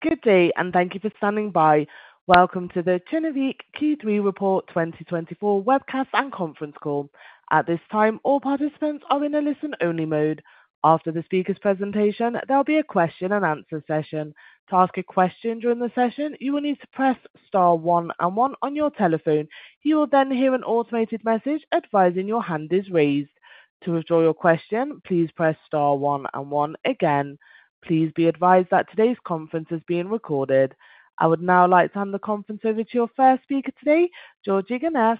Good day, and thank you for standing by. Welcome to the Kinnevik Q3 Report 2024 Webcast and Conference Call. At this time, all participants are in a listen-only mode. After the speaker's presentation, there'll be a question-and-answer session. To ask a question during the session, you will need to press star one and one on your telephone. You will then hear an automated message advising your hand is raised. To withdraw your question, please press star one and one again. Please be advised that today's conference is being recorded. I would now like to hand the conference over to your first speaker today, Georgi Ganev,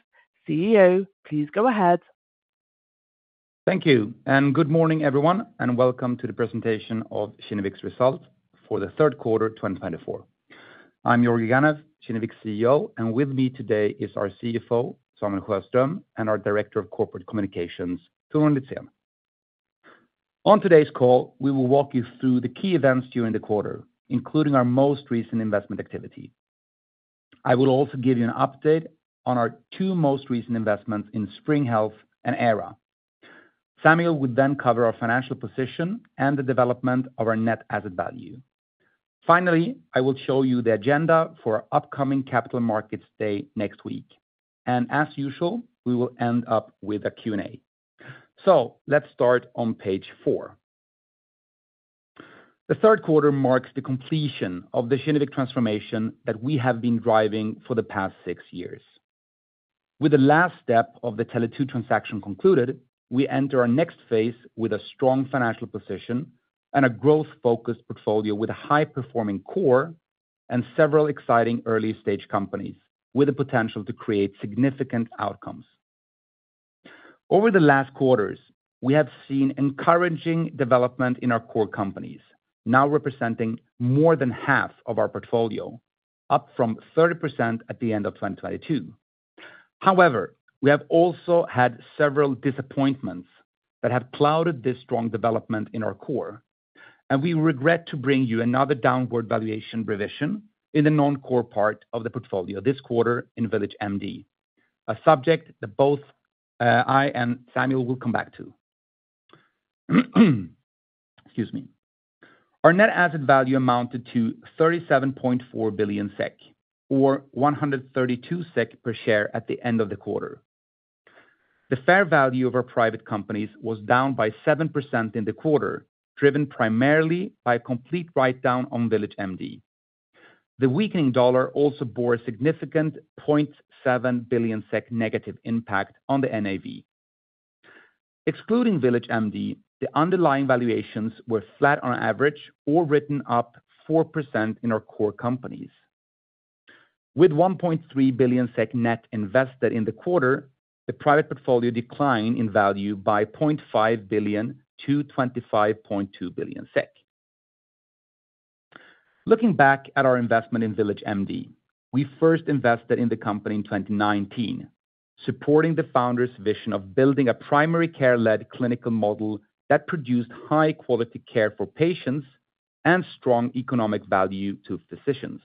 CEO. Please go ahead. Thank you, and good morning, everyone, and welcome to the presentation of Kinnevik's results for the third quarter, 2024. I'm Georgi Ganev, Kinnevik's CEO, and with me today is our CFO, Samuel Sjöström, and our Director of Corporate Communications, Torun Lithén. On today's call, we will walk you through the key events during the quarter, including our most recent investment activity. I will also give you an update on our two most recent investments in Spring Health and Aira. Samuel will then cover our financial position and the development of our net asset value. Finally, I will show you the agenda for our upcoming Capital Markets Day next week, and as usual, we will end up with a Q&A. So let's start on page four. The third quarter marks the completion of the Kinnevik transformation that we have been driving for the past six years. With the last step of the Tele2 transaction concluded, we enter our next phase with a strong financial position and a growth-focused portfolio with a high-performing core and several exciting early-stage companies with the potential to create significant outcomes. Over the last quarters, we have seen encouraging development in our core companies, now representing more than half of our portfolio, up from 30% at the end of 2022. However, we have also had several disappointments that have clouded this strong development in our core, and we regret to bring you another downward valuation revision in the non-core part of the portfolio this quarter in VillageMD, a subject that both I and Samuel will come back to. Excuse me. Our net asset value amounted to 37.4 billion SEK, or 132 SEK per share at the end of the quarter. The fair value of our private companies was down by 7% in the quarter, driven primarily by a complete write-down on VillageMD. The weakening dollar also bore a significant 0.7 billion SEK negative impact on the NAV. Excluding VillageMD, the underlying valuations were flat on average or written up 4% in our core companies. With 1.3 billion SEK net invested in the quarter, the private portfolio declined in value by 0.5 billion to 25.2 billion SEK. Looking back at our investment in VillageMD, we first invested in the company in 2019, supporting the founder's vision of building a primary care-led clinical model that produced high-quality care for patients and strong economic value to physicians.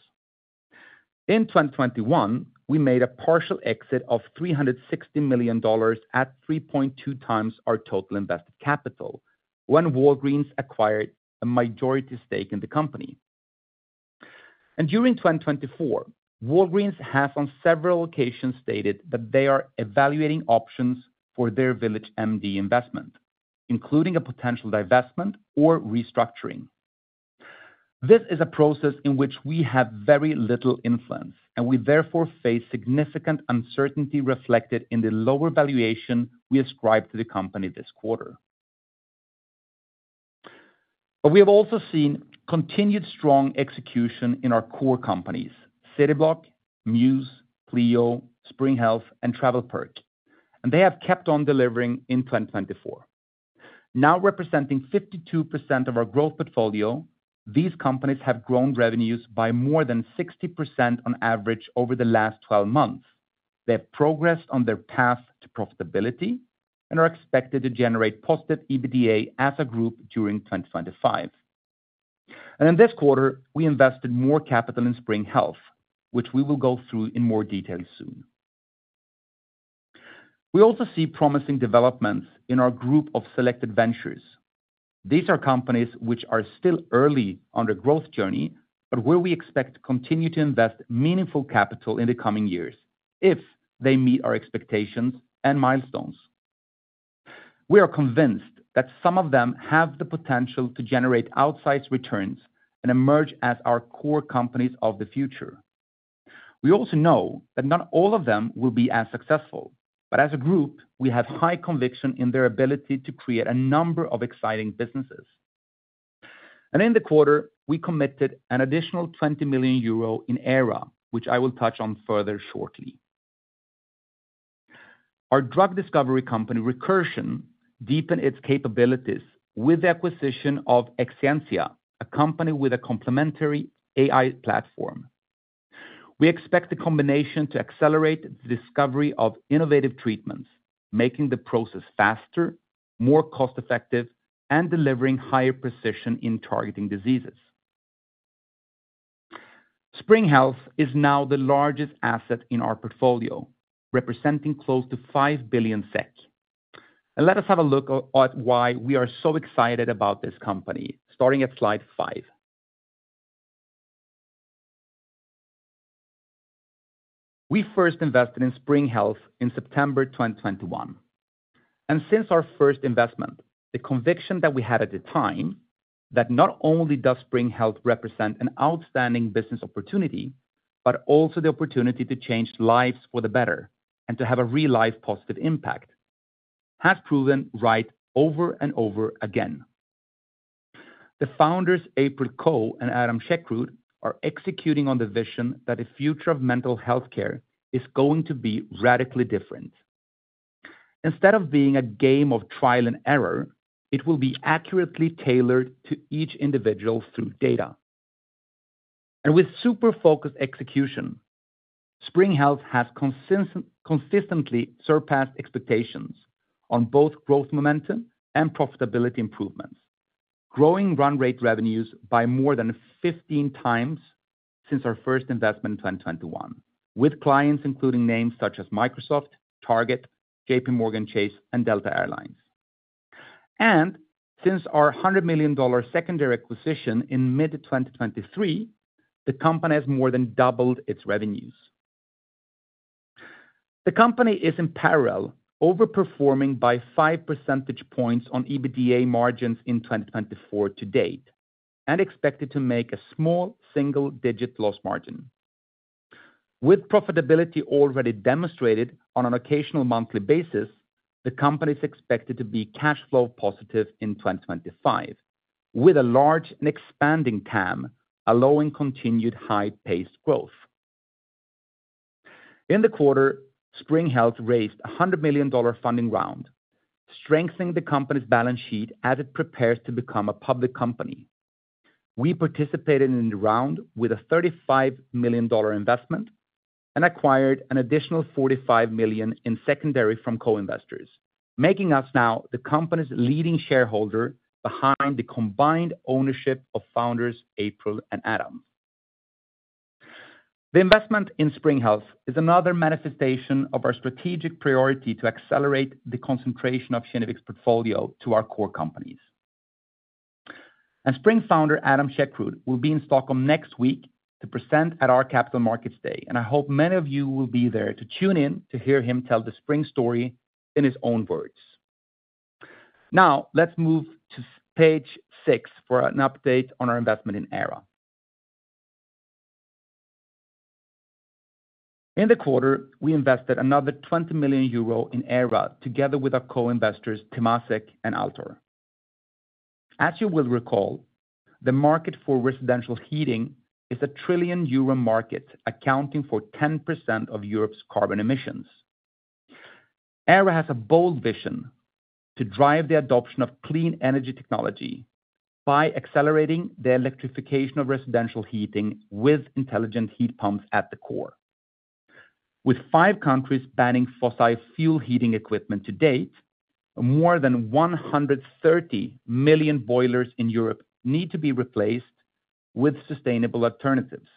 In 2021, we made a partial exit of $360 million at 3.2x our total invested capital when Walgreens acquired a majority stake in the company. And during 2024, Walgreens has, on several occasions, stated that they are evaluating options for their VillageMD investment, including a potential divestment or restructuring. This is a process in which we have very little influence, and we therefore face significant uncertainty reflected in the lower valuation we ascribe to the company this quarter. But we have also seen continued strong execution in our core companies, Cityblock, Mews, Pleo, Spring Health, and TravelPerk, and they have kept on delivering in 2024. Now representing 52% of our growth portfolio, these companies have grown revenues by more than 60% on average over the last 12 months. They have progressed on their path to profitability and are expected to generate positive EBITDA as a group during 2025. In this quarter, we invested more capital in Spring Health, which we will go through in more detail soon. We also see promising developments in our group of selected ventures. These are companies which are still early on their growth journey, but where we expect to continue to invest meaningful capital in the coming years if they meet our expectations and milestones. We are convinced that some of them have the potential to generate outsized returns and emerge as our core companies of the future. We also know that not all of them will be as successful, but as a group, we have high conviction in their ability to create a number of exciting businesses. And in the quarter, we committed an additional 20 million euro in Aira, which I will touch on further shortly. Our drug discovery company, Recursion, deepened its capabilities with the acquisition of Exscientia, a company with a complementary AI platform. We expect the combination to accelerate the discovery of innovative treatments, making the process faster, more cost-effective, and delivering higher precision in targeting diseases. Spring Health is now the largest asset in our portfolio, representing close to 5 billion SEK. And let us have a look at why we are so excited about this company, starting at Slide 5. We first invested in Spring Health in September 2021, and since our first investment, the conviction that we had at the time, that not only does Spring Health represent an outstanding business opportunity, but also the opportunity to change lives for the better and to have a real life positive impact, has proven right over and over again. The founders, April Koh and Adam Chekroud, are executing on the vision that the future of mental health care is going to be radically different. Instead of being a game of trial and error, it will be accurately tailored to each individual through data. With super focused execution, Spring Health has consistently surpassed expectations on both growth, momentum, and profitability improvements, growing run rate revenues by more than 15x since our first investment in 2021, with clients including names such as Microsoft, Target, JPMorgan Chase, and Delta Air Lines. Since our $100 million secondary acquisition in mid-2023, the company has more than doubled its revenues. The company is in parallel overperforming by 5 percentage points on EBITDA margins in 2024 to date and expected to make a small single-digit loss margin. With profitability already demonstrated on an occasional monthly basis, the company is expected to be cash flow positive in 2025, with a large and expanding TAM, allowing continued high-paced growth. In the quarter, Spring Health raised a $100 million funding round, strengthening the company's balance sheet as it prepares to become a public company. We participated in the round with a $35 million investment and acquired an additional $45 million in secondary from co-investors, making us now the company's leading shareholder behind the combined ownership of founders, April and Adam. The investment in Spring Health is another manifestation of our strategic priority to accelerate the concentration of Kinnevik's portfolio to our core companies. Spring founder, Adam Chekroud, will be in Stockholm next week to present at our Capital Markets Day, and I hope many of you will be there to tune in to hear him tell the Spring story in his own words. Now, let's move to Page 6 for an update on our investment in Aira. In the quarter, we invested another 20 million euro in Aira, together with our co-investors, Temasek and Altor. As you will recall, the market for residential heating is a 1 trillion euro market, accounting for 10% of Europe's carbon emissions. Aira has a bold vision to drive the adoption of clean energy technology by accelerating the electrification of residential heating with intelligent heat pumps at the core. With five countries banning fossil fuel heating equipment to date, more than 130 million boilers in Europe need to be replaced with sustainable alternatives.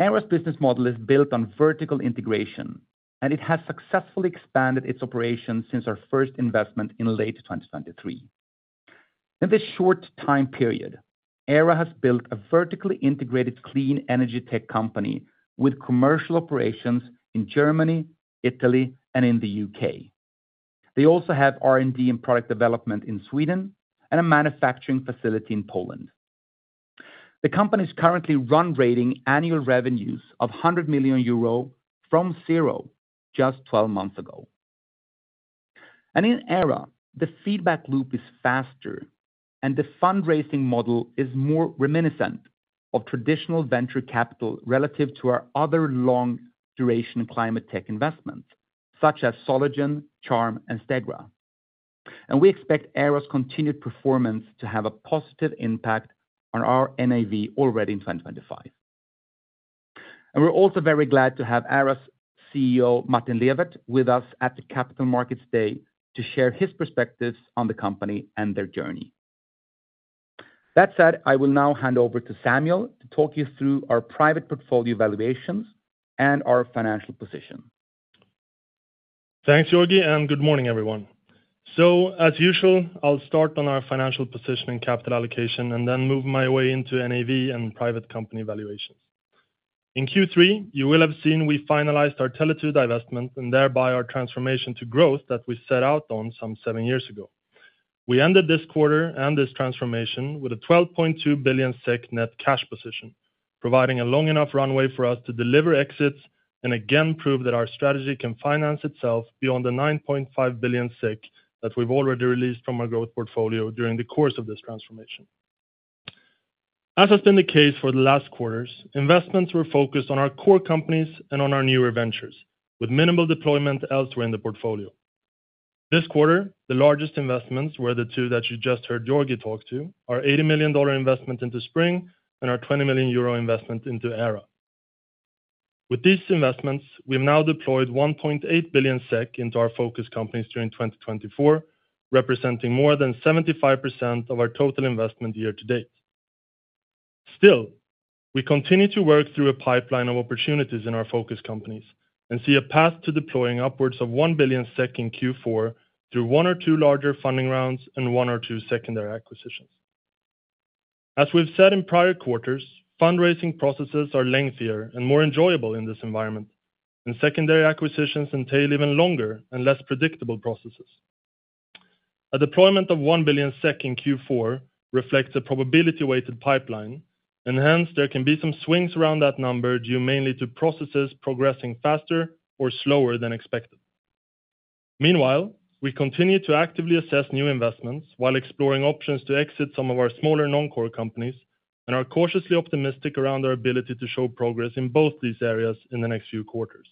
Aira's business model is built on vertical integration, and it has successfully expanded its operations since our first investment in late 2023. In this short time period, Aira has built a vertically integrated clean energy tech company with commercial operations in Germany, Italy, and in the U.K. They also have R&D and product development in Sweden and a manufacturing facility in Poland. The company's currently running at an annual revenue of 100 million euro from zero just 12 months ago. In Aira, the feedback loop is faster, and the fundraising model is more reminiscent of traditional venture capital relative to our other long-duration climate tech investments, such as Solugen, Charm, and Stegra. We expect Aira's continued performance to have a positive impact on our NAV already in 2025. We're also very glad to have Aira's CEO, Martin Lewerth, with us at the Capital Markets Day to share his perspectives on the company and their journey. That said, I will now hand over to Samuel to talk you through our private portfolio valuations and our financial position. Thanks, Georgi, and good morning, everyone. So, as usual, I'll start on our financial position and capital allocation and then move my way into NAV and private company valuations. In Q3, you will have seen we finalized our Tele2 divesmtent and thereby our transformation to growth that we set out on some seven years ago. We ended this quarter and this transformation with a 12.2 billion SEK net cash position, providing a long enough runway for us to deliver exits and again prove that our strategy can finance itself beyond the 9.5 billion that we've already released from our growth portfolio during the course of this transformation. As has been the case for the last quarters, investments were focused on our core companies and on our newer ventures, with minimal deployment elsewhere in the portfolio. This quarter, the largest investments were the two that you just heard Georgi talk to, our $80 million investment into Spring and our 20 million euro investment into Aira. With these investments, we've now deployed 1.8 billion SEK into our focus companies during 2024, representing more than 75% of our total investment year-to-date. Still, we continue to work through a pipeline of opportunities in our focus companies, and see a path to deploying upwards of 1 billion SEK in Q4 through one or two larger funding rounds and one or two secondary acquisitions. As we've said in prior quarters, fundraising processes are lengthier and more enjoyable in this environment, and secondary acquisitions entail even longer and less predictable processes. A deployment of 1 billion SEK in Q4 reflects a probability-weighted pipeline, and hence, there can be some swings around that number due mainly to processes progressing faster or slower than expected. Meanwhile, we continue to actively assess new investments while exploring options to exit some of our smaller non-core companies, and are cautiously optimistic around our ability to show progress in both these areas in the next few quarters.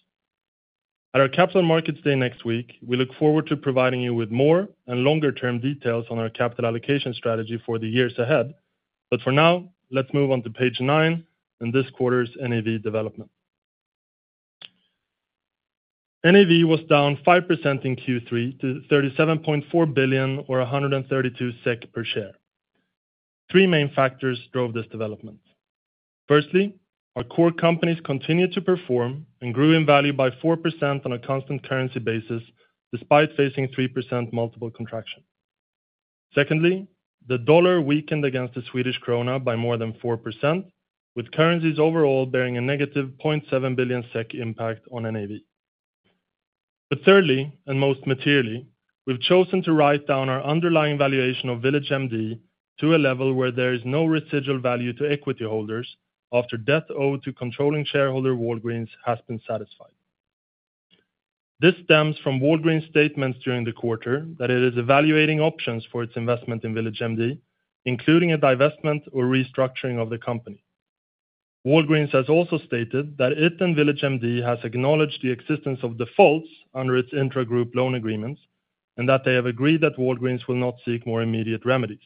At our Capital Markets Day next week, we look forward to providing you with more and longer-term details on our capital allocation strategy for the years ahead. But for now, let's move on to Page 9 in this quarter's NAV development. NAV was down 5% in Q3 to 37.4 billion or 132 SEK per share. Three main factors drove this development. Firstly, our core companies continued to perform and grew in value by 4% on a constant currency basis, despite facing 3% multiple contraction. Secondly, the dollar weakened against the Swedish krona by more than 4%, with currencies overall bearing a -0.7 billion SEK impact on NAV. But thirdly, and most materially, we've chosen to write down our underlying valuation of VillageMD to a level where there is no residual value to equity holders after debt owed to controlling shareholder, Walgreens, has been satisfied. This stems from Walgreens' statements during the quarter that it is evaluating options for its investment in VillageMD, including a divestment or restructuring of the company. Walgreens has also stated that it and VillageMD has acknowledged the existence of defaults under its intra-group loan agreements, and that they have agreed that Walgreens will not seek more immediate remedies.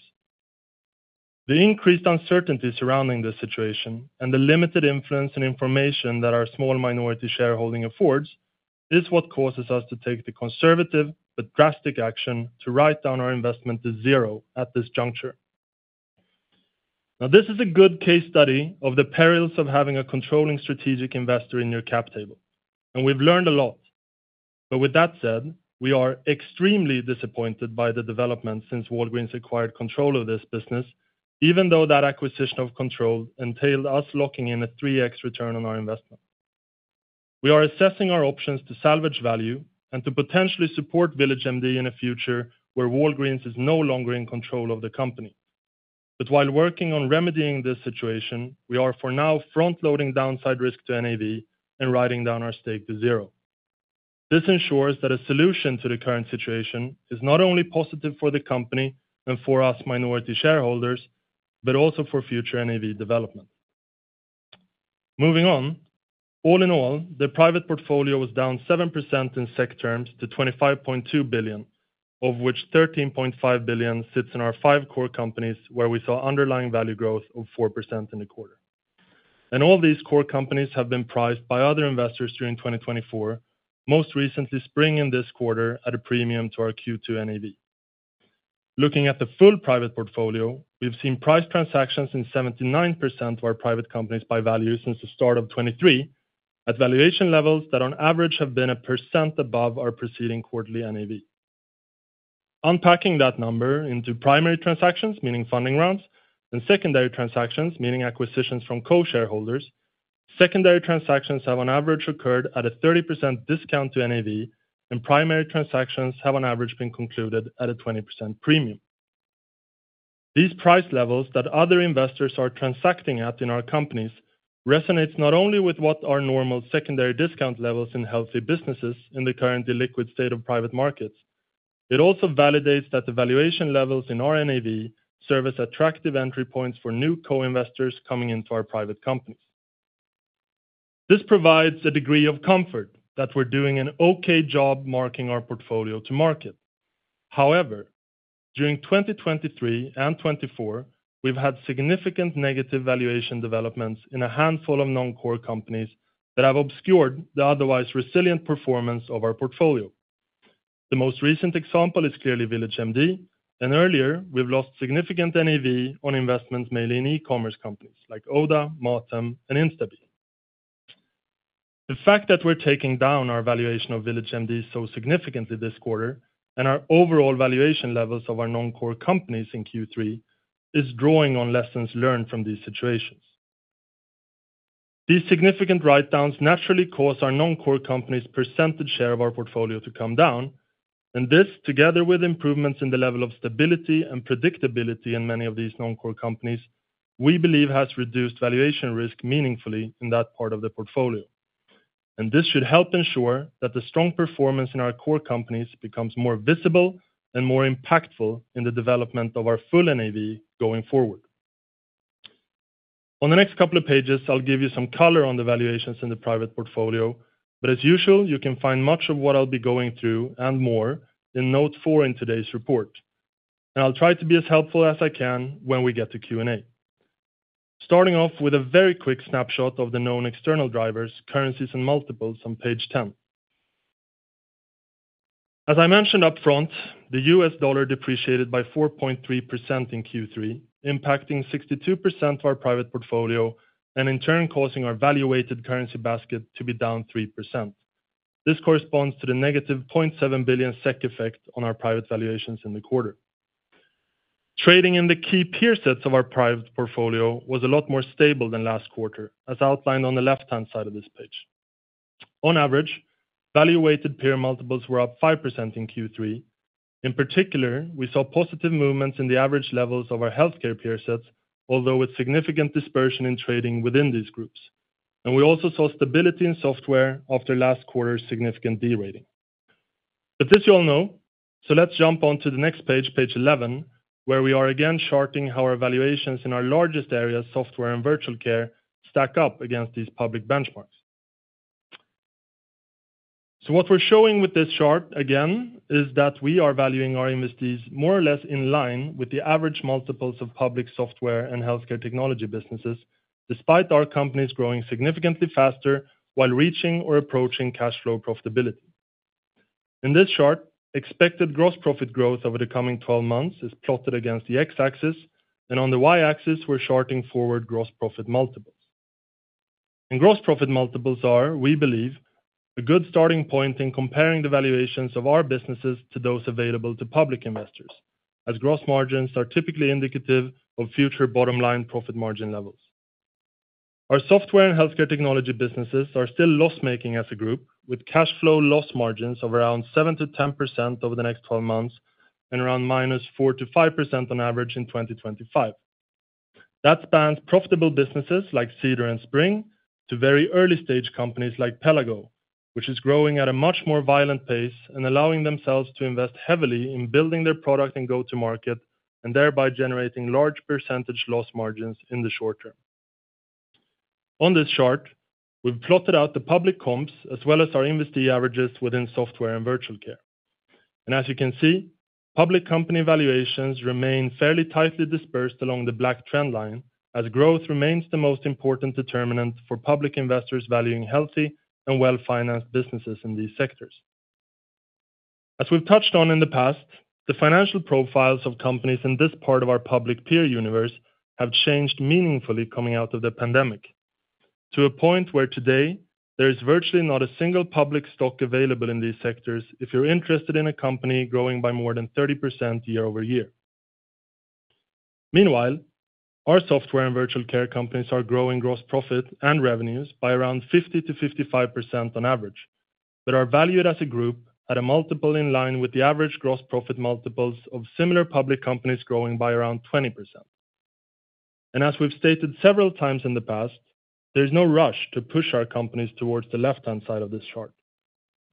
The increased uncertainty surrounding this situation and the limited influence and information that our small minority shareholding affords is what causes us to take the conservative but drastic action to write down our investment to zero at this juncture. Now, this is a good case study of the perils of having a controlling strategic investor in your cap table, and we've learned a lot. But with that said, we are extremely disappointed by the development since Walgreens acquired control of this business, even though that acquisition of control entailed us locking in a 3x return on our investment. We are assessing our options to salvage value and to potentially support VillageMD in a future where Walgreens is no longer in control of the company. But while working on remedying this situation, we are, for now, front-loading downside risk to NAV and writing down our stake to zero. This ensures that a solution to the current situation is not only positive for the company and for us, minority shareholders, but also for future NAV development. Moving on, all in all, the private portfolio was down 7% in SEK terms to 25.2 billion, of which 13.5 billion sits in our five core companies, where we saw underlying value growth of 4% in the quarter. And all these core companies have been priced by other investors during 2024, most recently Spring in this quarter at a premium to our Q2 NAV. Looking at the full-private portfolio, we've seen price transactions in 79% of our private companies by value since the start of 2023, at valuation levels that on average have been 1% above our preceding quarterly NAV. Unpacking that number into primary transactions, meaning funding rounds, and secondary transactions, meaning acquisitions from co-shareholders, secondary transactions have on average occurred at a 30% discount to NAV, and primary transactions have on average been concluded at a 20% premium. These price levels that other investors are transacting at in our companies resonates not only with what are normal secondary discount levels in healthy businesses in the current illiquid state of private markets, it also validates that the valuation levels in our NAV serve as attractive entry points for new co-investors coming into our private companies. This provides a degree of comfort that we're doing an okay job marking our portfolio to market. However, during 2023 and 2024, we've had significant negative valuation developments in a handful of non-core companies that have obscured the otherwise resilient performance of our portfolio. The most recent example is clearly VillageMD, and earlier, we've lost significant NAV on investments, mainly in e-commerce companies like Oda, Mathem, and Instabee. The fact that we're taking down our valuation of VillageMD so significantly this quarter and our overall valuation levels of our non-core companies in Q3, is drawing on lessons learned from these situations. These significant write-downs naturally cause our non-core companies' percentage share of our portfolio to come down, and this, together with improvements in the level of stability and predictability in many of these non-core companies, we believe has reduced valuation risk meaningfully in that part of the portfolio, and this should help ensure that the strong performance in our core companies becomes more visible and more impactful in the development of our full NAV going forward. On the next couple of pages, I'll give you some color on the valuations in the private portfolio, but as usual, you can find much of what I'll be going through and more in Note 4 in today's report. And I'll try to be as helpful as I can when we get to Q&A. Starting off with a very quick snapshot of the known external drivers, currencies, and multiples on Page 10. As I mentioned upfront, the U.S. dollar depreciated by 4.3% in Q3, impacting 62% of our private portfolio, and in turn, causing our value-weighted currency basket to be down 3%. This corresponds to the -0.7 billion SEK effect on our private valuations in the quarter. Trading in the key peer sets of our private portfolio was a lot more stable than last quarter, as outlined on the left-hand side of this page. On average, value-weighted peer multiples were up 5% in Q3. In particular, we saw positive movements in the average levels of our healthcare peer sets, although with significant dispersion in trading within these groups. And we also saw stability in software after last quarter's significant de-rating. But this you all know, so let's jump on to the next page, Page 11, where we are again charting how our valuations in our largest areas, software and virtual care, stack up against these public benchmarks. So what we're showing with this chart, again, is that we are valuing our investees more or less in line with the average multiples of public software and healthcare technology businesses, despite our companies growing significantly faster while reaching or approaching cash flow profitability. In this chart, expected gross profit growth over the coming 12 months is plotted against the X-axis, and on the Y-axis, we're charting forward gross profit multiples. Gross profit multiples are, we believe, a good starting point in comparing the valuations of our businesses to those available to public investors, as gross margins are typically indicative of future bottom-line profit margin levels. Our software and healthcare technology businesses are still loss-making as a group, with cash flow loss margins of around 7%-10% over the next 12 months and around -4% to -5% on average in 2025. That spans profitable businesses like Cedar and Spring, to very early-stage companies like Pelago, which is growing at a much more violent pace and allowing themselves to invest heavily in building their product and go-to-market, and thereby generating large percentage loss margins in the short term. On this chart, we've plotted out the public comps as well as our investee averages within software and virtual care, and as you can see, public company valuations remain fairly tightly dispersed along the black trend line, as growth remains the most important determinant for public investors valuing healthy and well-financed businesses in these sectors. As we've touched on in the past, the financial profiles of companies in this part of our public peer universe have changed meaningfully coming out of the pandemic, to a point where today there is virtually not a single public stock available in these sectors if you're interested in a company growing by more than 30% year-over-year. Meanwhile, our software and virtual care companies are growing gross profit and revenues by around 50%-55% on average, but are valued as a group at a multiple in line with the average gross profit multiples of similar public companies growing by around 20. And as we've stated several times in the past, there's no rush to push our companies towards the left-hand side of this chart.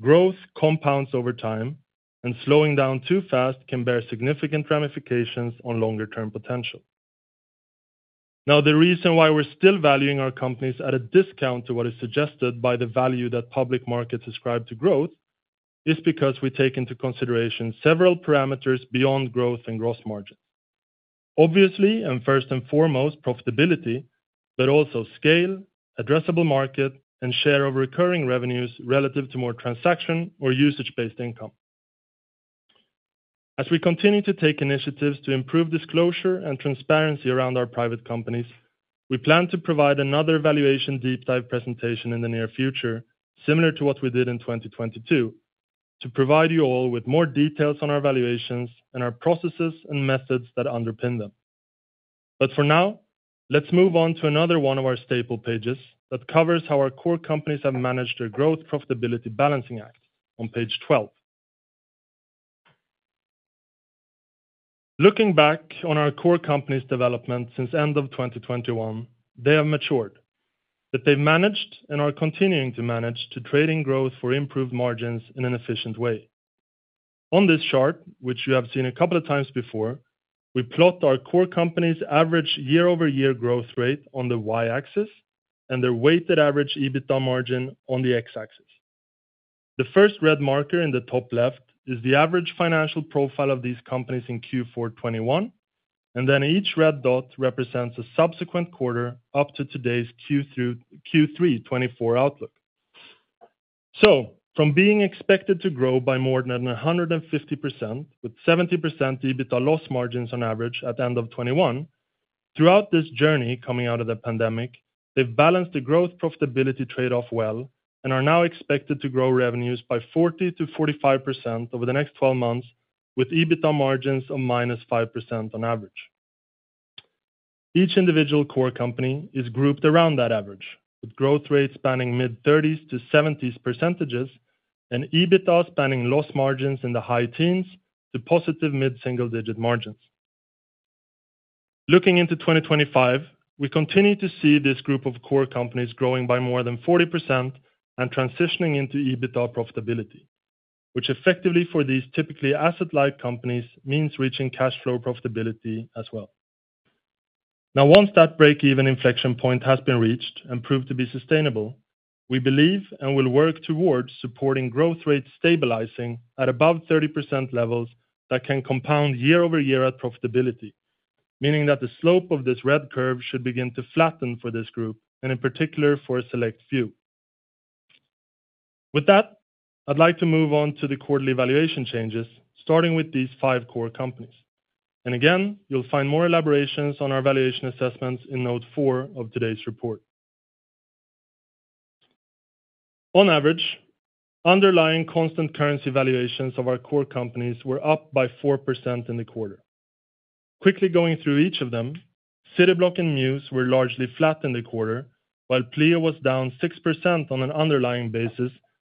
Growth compounds over time, and slowing down too fast can bear significant ramifications on longer-term potential. Now, the reason why we're still valuing our companies at a discount to what is suggested by the value that public markets ascribe to growth is because we take into consideration several parameters beyond growth and gross margin. Obviously, and first and foremost, profitability, but also scale, addressable market, and share of recurring revenues relative to more transaction or usage-based income. As we continue to take initiatives to improve disclosure and transparency around our private companies, we plan to provide another valuation deep dive presentation in the near future, similar to what we did in 2022, to provide you all with more details on our valuations and our processes and methods that underpin them. But for now, let's move on to another one of our staple pages that covers how our core companies have managed their growth profitability balancing act on Page 12. Looking back on our core companies' development since end of 2021, they have matured, but they've managed and are continuing to manage to trade in growth for improved margins in an efficient way. On this chart, which you have seen a couple of times before, we plot our core companies' average year-over-year growth rate on the Y-axis and their weighted average EBITDA margin on the X-axis. The first red marker in the top left is the average financial profile of these companies in Q4 2021, and then each red dot represents a subsequent quarter up to today's Q2, Q3 2024 outlook. So from being expected to grow by more than 150%, with 70% EBITDA loss margins on average at the end of 2021, throughout this journey coming out of the pandemic, they've balanced the growth profitability trade-off well and are now expected to grow revenues by 40%-45% over the next 12 months, with EBITDA margins of -5% on average. Each individual core company is grouped around that average, with growth rates spanning mid-thirties to seventies percentages and EBITDA spanning loss margins in the high-teens to positive mid-single-digit margins. Looking into 2025, we continue to see this group of core companies growing by more than 40% and transitioning into EBITDA profitability, which effectively for these typically asset-light companies, means reaching cash flow profitability as well. Now, once that break-even inflection point has been reached and proved to be sustainable, we believe and will work towards supporting growth rates stabilizing at above 30% levels that can compound year-over-year at profitability. Meaning that the slope of this red curve should begin to flatten for this group, and in particular, for a select few. With that, I'd like to move on to the quarterly valuation changes, starting with these five core companies. And again, you'll find more elaborations on our valuation assessments in note four of today's report. On average, underlying constant currency valuations of our core companies were up by 4% in the quarter. Quickly going through each of them, Cityblock and Mews were largely flat in the quarter, while Pleo was down 6% on an underlying basis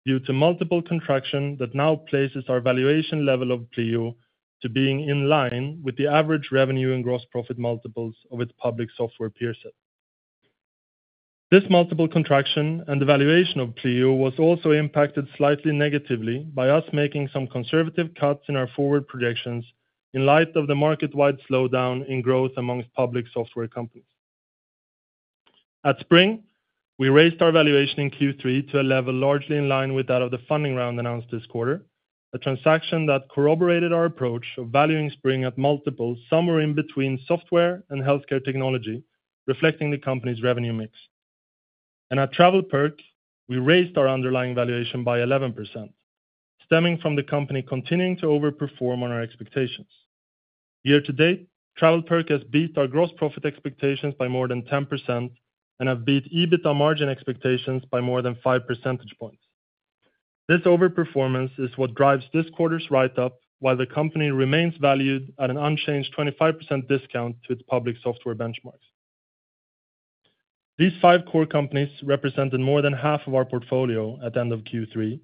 due to multiple contraction that now places our valuation level of Pleo to being in line with the average revenue and gross profit multiples of its public software peer set. This multiple contraction and the valuation of Pleo was also impacted slightly negatively by us making some conservative cuts in our forward projections in light of the market-wide slowdown in growth among public software companies. At Spring, we raised our valuation in Q3 to a level largely in line with that of the funding round announced this quarter, a transaction that corroborated our approach of valuing Spring at multiples somewhere in between software and healthcare technology, reflecting the company's revenue mix. At TravelPerk, we raised our underlying valuation by 11%, stemming from the company continuing to overperform on our expectations. Year-to-date, TravelPerk has beat our gross profit expectations by more than 10% and have beat EBITDA margin expectations by more than 5 percentage points. This overperformance is what drives this quarter's write-up, while the company remains valued at an unchanged 25% discount to its public software benchmarks. These five core companies represented more than half of our portfolio at the end of Q3,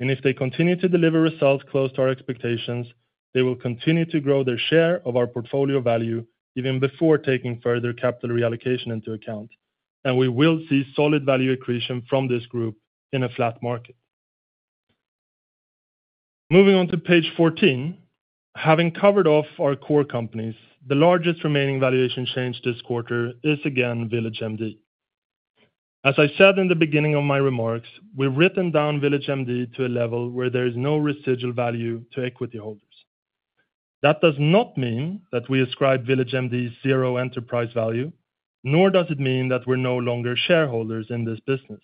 and if they continue to deliver results close to our expectations, they will continue to grow their share of our portfolio value even before taking further capital reallocation into account, and we will see solid value accretion from this group in a flat market. Moving on to Page 14, having covered off our core companies, the largest remaining valuation change this quarter is again, VillageMD. As I said in the beginning of my remarks, we've written down VillageMD to a level where there is no residual value to equity holders. That does not mean that we ascribe VillageMD zero enterprise value, nor does it mean that we're no longer shareholders in this business.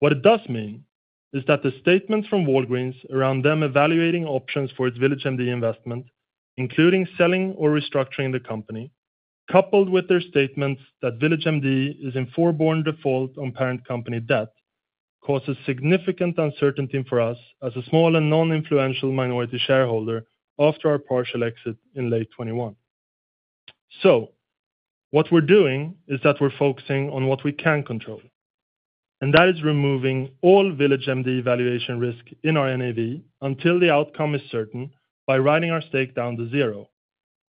What it does mean is that the statement from Walgreens around them evaluating options for its VillageMD investment, including selling or restructuring the company, coupled with their statements that VillageMD is in forbearance default on parent company debt, causes significant uncertainty for us as a small and non-influential minority shareholder after our partial exit in late 2021. So what we're doing is that we're focusing on what we can control, and that is removing all VillageMD valuation risk in our NAV until the outcome is certain by writing our stake down to zero.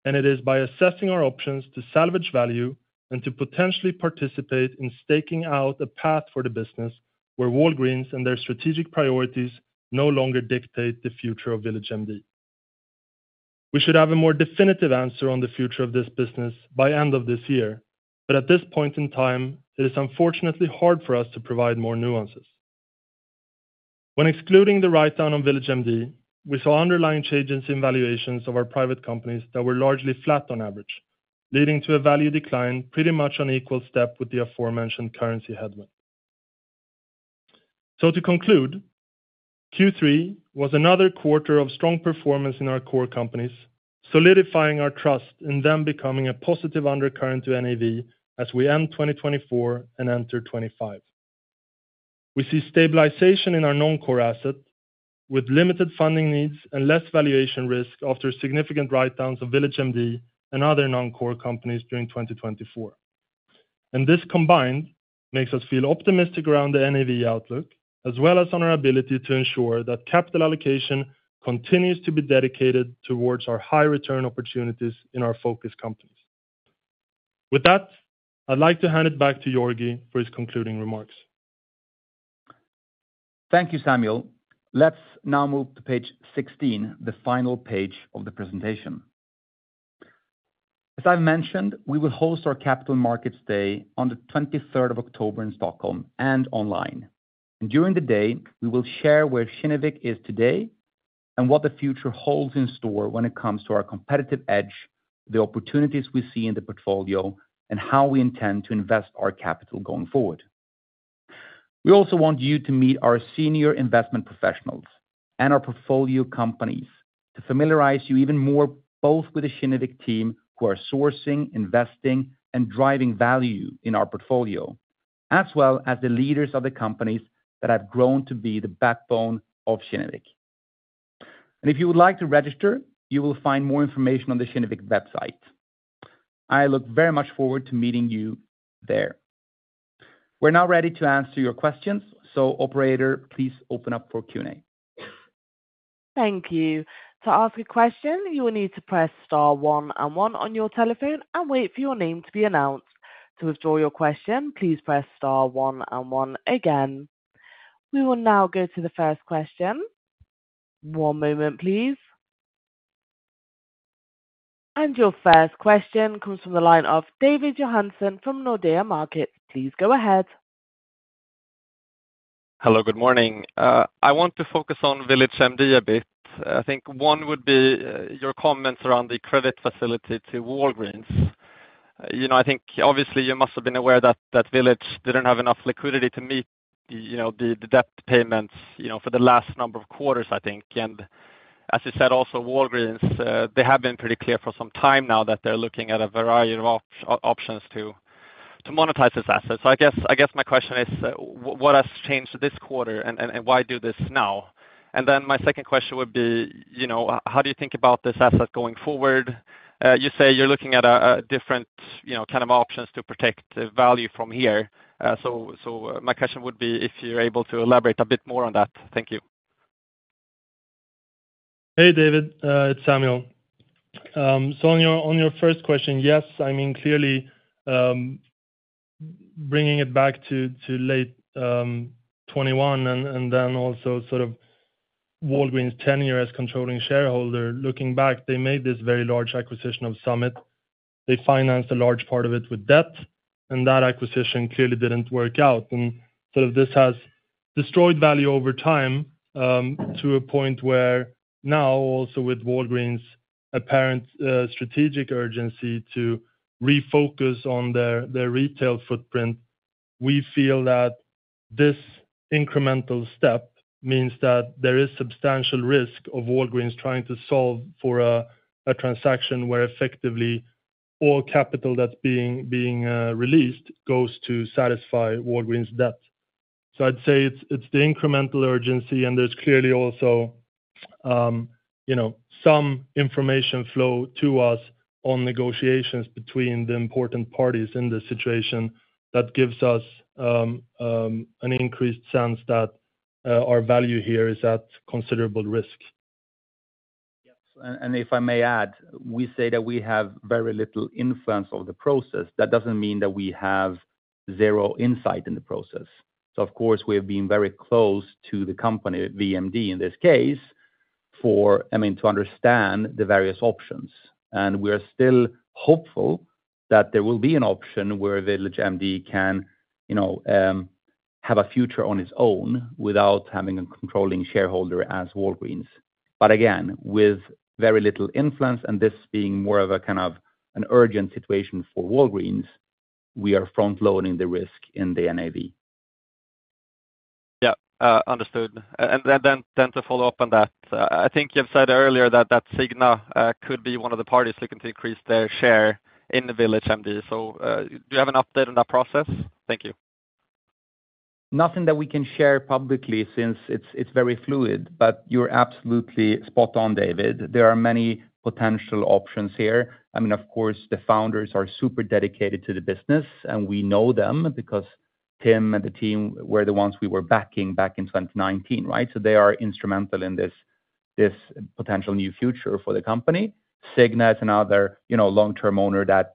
And it is by assessing our options to salvage value and to potentially participate in staking out a path for the business where Walgreens and their strategic priorities no longer dictate the future of VillageMD. We should have a more definitive answer on the future of this business by end of this year, but at this point in time, it is unfortunately hard for us to provide more nuances. When excluding the write-down on VillageMD, we saw underlying changes in valuations of our private companies that were largely flat on average, leading to a value decline pretty much on equal step with the aforementioned currency headwind. So to conclude, Q3 was another quarter of strong performance in our core companies, solidifying our trust in them becoming a positive undercurrent to NAV as we end 2024 and enter 2025. We see stabilization in our non-core assets, with limited funding needs and less valuation risk after significant write-downs of VillageMD and other non-core companies during 2024, and this combined makes us feel optimistic around the NAV outlook, as well as on our ability to ensure that capital allocation continues to be dedicated towards our high return opportunities in our focus companies. With that, I'd like to hand it back to Georgi for his concluding remarks. Thank you, Samuel. Let's now move to Page 16, the final page of the presentation. As I've mentioned, we will host our Capital Markets Day on the 23rd of October in Stockholm and online. And during the day, we will share where Kinnevik is today and what the future holds in store when it comes to our competitive edge, the opportunities we see in the portfolio, and how we intend to invest our capital going forward. We also want you to meet our senior investment professionals and our portfolio companies to familiarize you even more, both with the Kinnevik team, who are sourcing, investing, and driving value in our portfolio, as well as the leaders of the companies that have grown to be the backbone of Kinnevik. And if you would like to register, you will find more information on the Kinnevik website. I look very much forward to meeting you there. We're now ready to answer your questions. So operator, please open up for Q&A. Thank you. To ask a question, you will need to press star one and one on your telephone and wait for your name to be announced. To withdraw your question, please press star one and one again. We will now go to the first question. One moment, please. And your first question comes from the line of David Johansson from Nordea Markets. Please go ahead. Hello, good morning. I want to focus on VillageMD a bit. I think one would be your comments around the credit facility to Walgreens. You know, I think obviously you must have been aware that VillageMD didn't have enough liquidity to meet, you know, the debt payments, you know, for the last number of quarters, I think. And as you said, also, Walgreens, they have been pretty clear for some time now that they're looking at a variety of options to monetize this asset. So I guess my question is, what has changed this quarter, and why do this now? And then my second question would be, you know, how do you think about this asset going forward? You say you're looking at a different, you know, kind of options to protect the value from here. So, my question would be if you're able to elaborate a bit more on that. Thank you. Hey, David, it's Samuel. So on your first question, yes, I mean, clearly, bringing it back to late 2021 and then also sort of Walgreens' tenure as controlling shareholder, looking back, they made this very large acquisition of Summit. They financed a large part of it with debt, and that acquisition clearly didn't work out, and sort of this has destroyed value over time to a point where now, also with Walgreens' apparent strategic urgency to refocus on their retail footprint, we feel that this incremental step means that there is substantial risk of Walgreens trying to solve for a transaction where effectively all capital that's being released goes to satisfy Walgreens' debt. I'd say it's the incremental urgency, and there's clearly also, you know, some information flow to us on negotiations between the important parties in this situation that gives us an increased sense that our value here is at considerable risk. Yes, and if I may add, we say that we have very little influence over the process. That doesn't mean that we have zero insight in the process. So of course, we have been very close to the company, VMD, in this case, I mean, to understand the various options. And we are still hopeful that there will be an option where VillageMD can, you know, have a future on its own without having a controlling shareholder as Walgreens. But again, with very little influence and this being more of a kind of an urgent situation for Walgreens, we are front-loading the risk in the NAV. Yeah, understood. And then to follow up on that, I think you've said earlier that Cigna could be one of the parties looking to increase their share in VillageMD. So, do you have an update on that process? Thank you. Nothing that we can share publicly since it's very fluid, but you're absolutely spot on, David. There are many potential options here. I mean, of course, the founders are super dedicated to the business, and we know them because Tim and the team were the ones we were backing back in 2019, right? So they are instrumental in this potential new future for the company. Cigna is another, you know, long-term owner that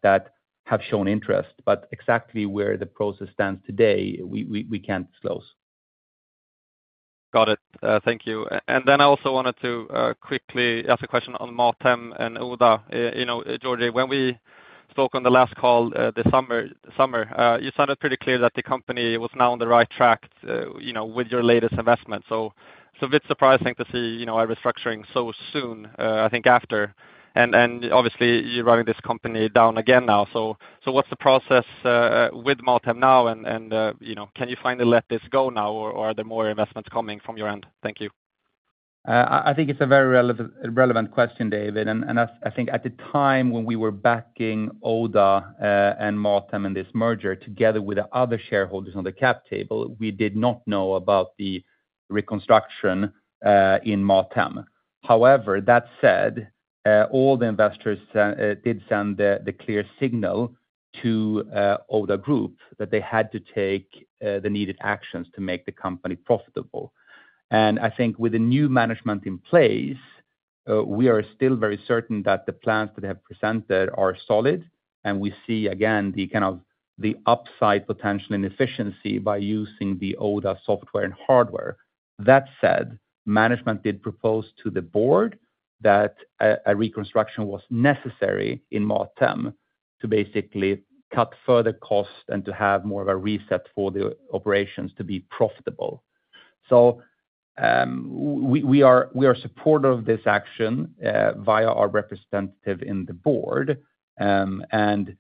have shown interest, but exactly where the process stands today, we can't disclose. Got it. Thank you. And then I also wanted to quickly ask a question on Mathem and Oda. You know, Georgi, when we spoke on the last call this summer, you sounded pretty clear that the company was now on the right track, you know, with your latest investment. So, it's a bit surprising to see, you know, a restructuring so soon, I think after. And obviously, you're writing this company down again now. So what's the process with Mathem now, and, you know, can you finally let this go now, or are there more investments coming from your end? Thank you. I think it's a very relevant question, David. I think at the time when we were backing Oda and Mathem and this merger, together with the other shareholders on the cap table, we did not know about the reconstruction in Mathem. However, that said, all the investors did send the clear signal to Oda Group that they had to take the needed actions to make the company profitable. I think with the new management in place, we are still very certain that the plans that they have presented are solid, and we see again the kind of upside potential and efficiency by using the Oda software and hardware. That said, management did propose to the board that a reconstruction was necessary in Mathem to basically cut further costs and to have more of a reset for the operations to be profitable. So, we are supportive of this action via our representative in the board. And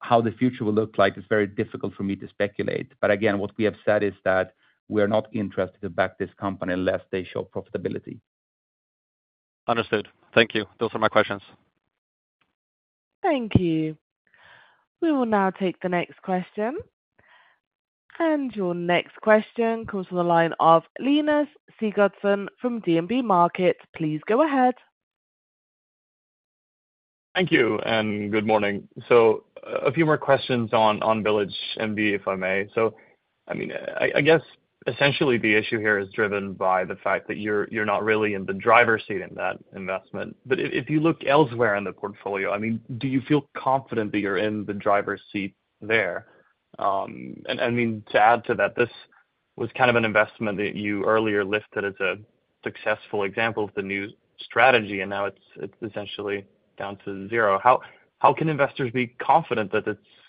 how the future will look like is very difficult for me to speculate. But again, what we have said is that we are not interested to back this company unless they show profitability. Understood. Thank you. Those are my questions. Thank you. We will now take the next question. And your next question comes from the line of Linus Sigurdson from DNB Markets. Please go ahead. Thank you, and good morning. So a few more questions on VillageMD, if I may. So, I mean, I guess essentially the issue here is driven by the fact that you're not really in the driver's seat in that investment. But if you look elsewhere in the portfolio, I mean, do you feel confident that you're in the driver's seat there? And, I mean, to add to that, this was kind of an investment that you earlier listed as a successful example of the new strategy, and now it's essentially down to zero. How can investors be confident that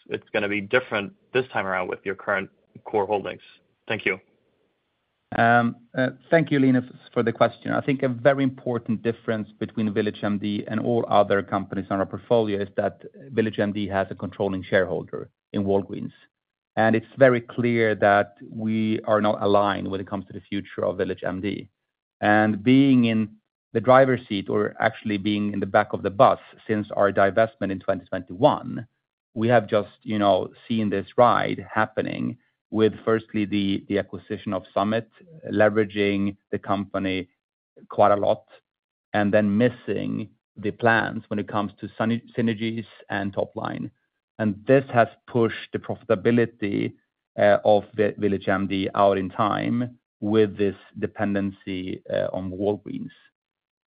it's gonna be different this time around with your current core holdings? Thank you. Thank you, Linus, for the question. I think a very important difference between VillageMD and all other companies on our portfolio is that VillageMD has a controlling shareholder in Walgreens. And it's very clear that we are not aligned when it comes to the future of VillageMD. And being in the driver's seat, or actually being in the back of the bus since our divestment in 2021, we have just, you know, seen this ride happening with firstly, the acquisition of Summit, leveraging the company quite a lot, and then missing the plans when it comes to synergies and top line. And this has pushed the profitability of VillageMD out in time with this dependency on Walgreens.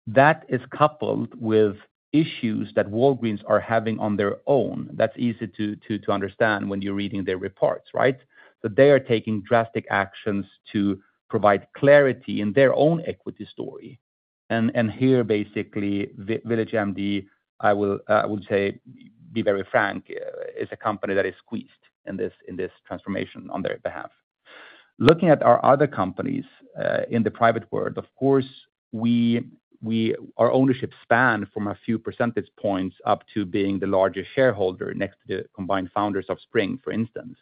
That is coupled with issues that Walgreens are having on their own. That's easy to understand when you're reading their reports, right? That they are taking drastic actions to provide clarity in their own equity story. And here, basically, VillageMD, I will say, be very frank, is a company that is squeezed in this, in this transformation on their behalf. Looking at our other companies, in the private world, of course, our ownership span from a few percentage points up to being the largest shareholder, next to the combined founders of Spring, for instance.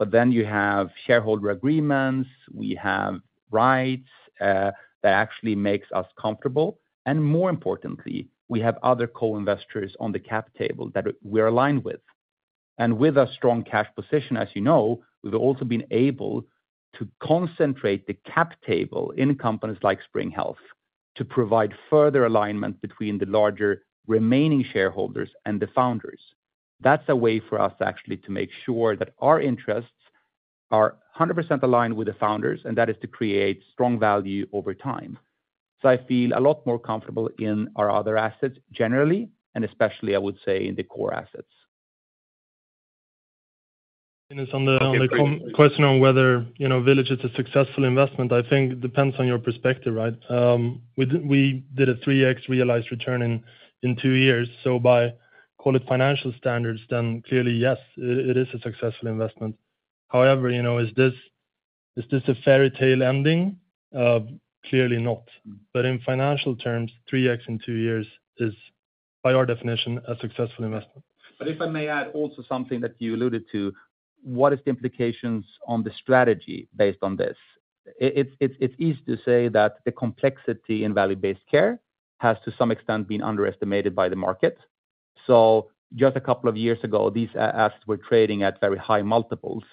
But then you have shareholder agreements, we have rights, that actually makes us comfortable, and more importantly, we have other co-investors on the cap table that we're aligned with. And with a strong cash position, as you know, we've also been able to concentrate the cap table in companies like Spring Health, to provide further alignment between the larger remaining shareholders and the founders. That's a way for us, actually, to make sure that our interests are 100% aligned with the founders, and that is to create strong value over time. So I feel a lot more comfortable in our other assets generally, and especially, I would say, in the core assets. And on the question on whether, you know, Village is a successful investment, I think it depends on your perspective, right? We did a 3x realized return in two years, so by, call it financial standards, then clearly, yes, it is a successful investment. However, you know, is this a fairy tale ending? Clearly not. But in financial terms, 3x in two years is, by our definition, a successful investment. But if I may add also something that you alluded to, what is the implications on the strategy based on this? It's easy to say that the complexity in value-based care has, to some extent, been underestimated by the market. So just a couple of years ago, these apps were trading at very high multiples,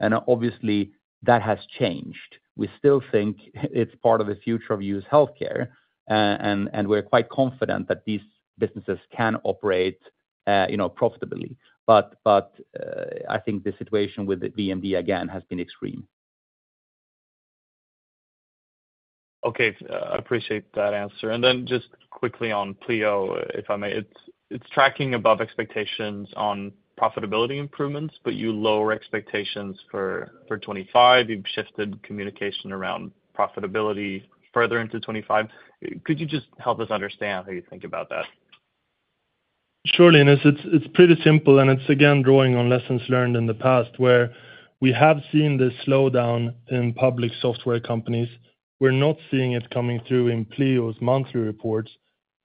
and obviously, that has changed. We still think it's part of the future of U.S. healthcare, and we're quite confident that these businesses can operate, you know, profitably. But I think the situation with the VMD, again, has been extreme. Okay, appreciate that answer. And then just quickly on Pleo, if I may. It's tracking above expectations on profitability improvements, but you lower expectations for 2025. You've shifted communication around profitability further into 2025. Could you just help us understand how you think about that? Surely, and it's pretty simple, and it's again, drawing on lessons learned in the past, where we have seen this slowdown in public software companies. We're not seeing it coming through in Pleo's monthly reports,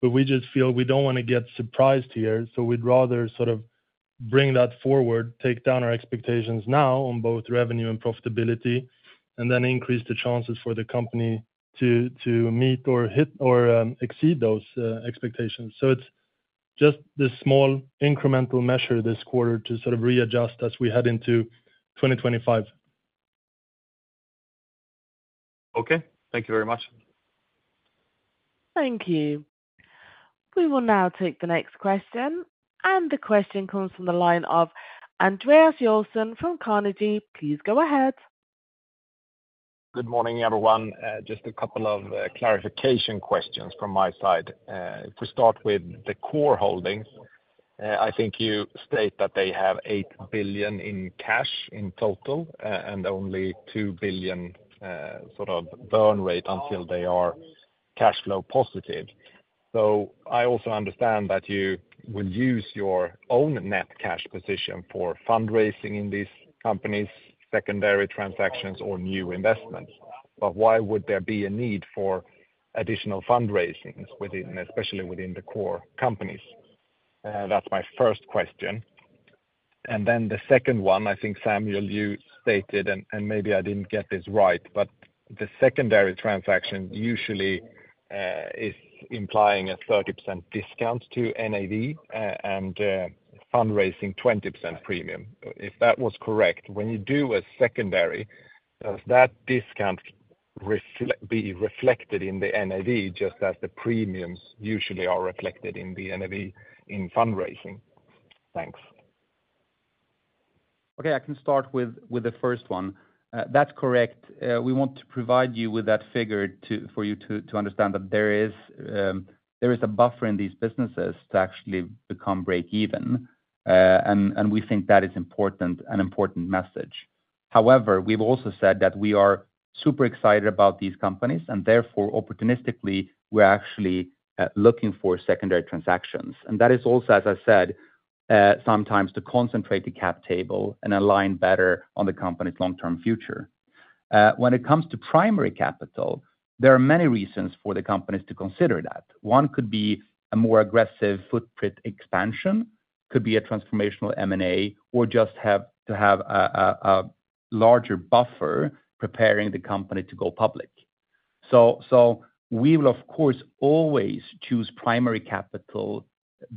but we just feel we don't wanna get surprised here, so we'd rather sort of bring that forward, take down our expectations now on both revenue and profitability, and then increase the chances for the company to meet or hit or exceed those expectations. So it's just this small, incremental measure this quarter to sort of readjust as we head into 2025. Okay. Thank you very much. Thank you. We will now take the next question, and the question comes from the line of Andreas Joelsson from Carnegie. Please go ahead. Good morning, everyone. Just a couple of clarification questions from my side. If we start with the core holdings, I think you state that they have 8 billion in cash in total, and only 2 billion sort of burn rate until they are cash flow positive. So I also understand that you will use your own net cash position for fundraising in these companies, secondary transactions, or new investments. But why would there be a need for additional fundraisings within, especially within the core companies? That's my first question. And then the second one, I think, Samuel, you stated, and maybe I didn't get this right, but the secondary transaction usually is implying a 30% discount to NAV, and fundraising 20% premium. If that was correct, when you do a secondary, does that discount be reflected in the NAV, just as the premiums usually are reflected in the NAV in fundraising? Thanks. Okay, I can start with the first one. That's correct. We want to provide you with that figure for you to understand that there is a buffer in these businesses to actually become break even, and we think that is important, an important message. However, we've also said that we are super excited about these companies, and therefore, opportunistically, we're actually looking for secondary transactions, and that is also, as I said, sometimes to concentrate the cap table and align better on the company's long-term future. When it comes to primary capital, there are many reasons for the companies to consider that. One could be a more aggressive footprint expansion, could be a transformational M&A, or just have to have a larger buffer preparing the company to go public. We will, of course, always choose primary capital